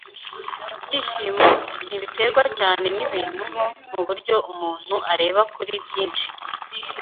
Ibyishimo ntibiterwa cyane nibintu nko muburyo umuntu areba kuri byinshi